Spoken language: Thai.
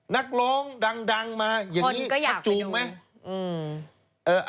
นักร้องดังมาอย่างนี้พักจูงไหม